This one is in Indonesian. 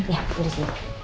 ya udah sih